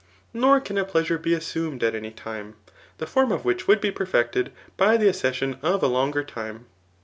Nor can a pleasure be assumed at any time, the form of which would be perfected by the. accession of a longer dme.